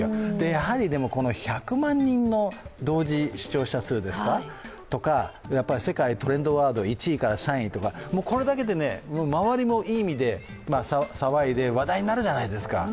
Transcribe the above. やはり１００万人の同時視聴者数とか世界トレンドワード１位から３位とか、これだけでね周りもいい意味で騒いで、話題になるじゃないですか。